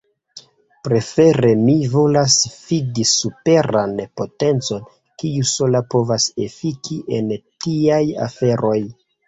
Prefere mi volas fidi superan potencon, kiu sola povas efiki en tiaj aferoj.